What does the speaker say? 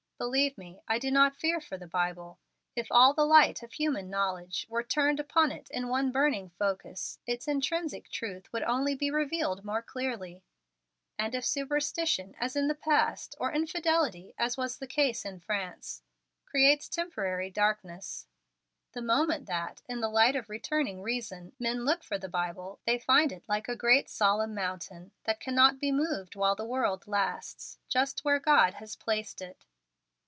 Believe me, I do not fear for the Bible. If all the light of human knowledge were turned upon it in one burning focus, its intrinsic truth would only be revealed more clearly; and if superstition, as in the past, or infidelity, as was the case in France, creates temporary darkness, the moment that, in the light of returning reason, men look for the Bible, they find it like a great solemn mountain, that cannot be moved while the world lasts, just where God has placed it."